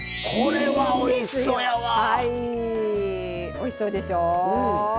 おいしそうでしょう？